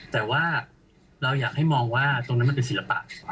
แต่ว่าเราอยากให้มองว่าตรงนั้นมันเป็นศิลปะ